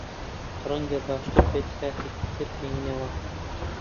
ڕەنگە باشتر بێت کاتێکی تر بێینەوە.